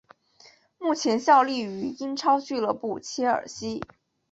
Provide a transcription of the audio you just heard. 目前效力于英超俱乐部切尔西。